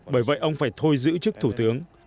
bởi vậy ông phải thôi giữ chức thủ tướng